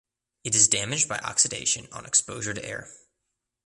It is damaged by oxidation on exposure to air.